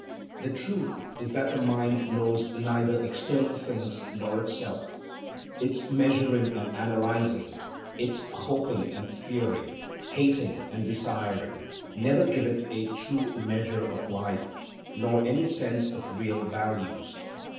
The truth is that the "mind" knows neither external things nor itself. Its measuring and analyzing, its hoping and fearing, hating and desiring, never give it a true measure of life, nor any sense of real values.